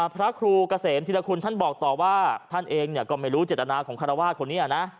พระครูเกษมธิรคุณท่านบอกต่อว่าท่านเองก็ไม่รู้เจตนาของคารวาสคนนี้นะ